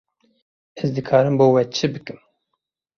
Ez dikarim bo we çi bikim?